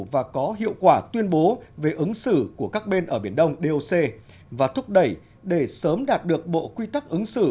và có hiệu quả tuyên bố về ứng xử của các bên ở biển đông doc và thúc đẩy để sớm đạt được bộ quy tắc ứng xử